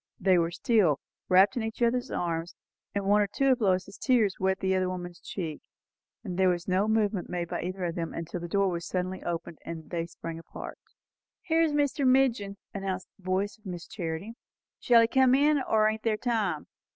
They were still, wrapped in each other's arms, and one or two of Lois's tears wet the other woman's cheek; and there was no movement made by either of them; until the door was suddenly opened and they sprang apart. "Here's Mr. Midgin," announced the voice of Miss Charity. "Shall he come in? or ain't there time?